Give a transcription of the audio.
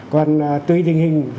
còn tùy tình hình